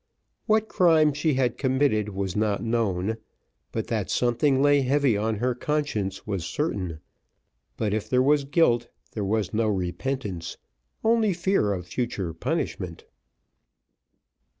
What crime she had committed was not known, but that something lay heavy on her conscience was certain; but if there was guilt, there was no repentance, only fear of future punishment.